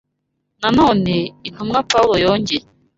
Na none, intumwa Pawulo yongeye